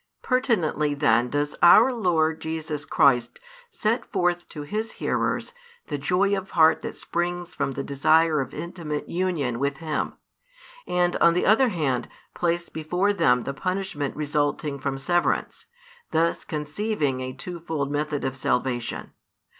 Pertinently then does our Lord Jesus Christ set forth to His hearers the joy of heart that springs from the desire of intimate union with Him, and on the other hand place before them the |388 punishment resulting from severance, thus conceiving a twofold method of salvation.